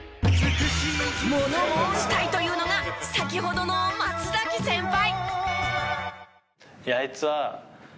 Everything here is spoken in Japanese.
物申したいというのが先ほどの松崎先輩。